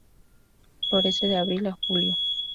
Florece de Abril a Julio.